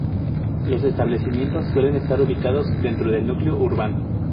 Los establecimientos suelen estar ubicados dentro del núcleo urbano.